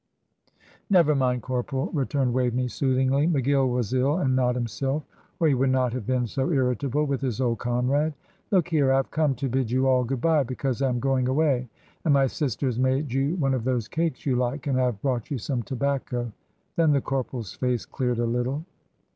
"Never mind, Corporal," returned Waveney, soothingly. "McGill was ill and not himself, or he would not have been so irritable with his old comrade. Look here, I have come to bid you all good bye, because I am going away; and my sister has made you one of those cakes you like, and I have brought you some tobacco." Then the corporal's face cleared a little.